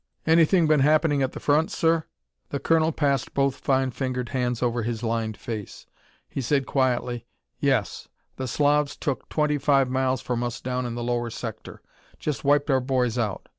"Anything been happening at the front, sir?" The colonel passed both fine fingered hands over his lined face. He said quietly: "Yes. The Slavs took twenty five miles from us down in the lower sector. Just wiped our boys out.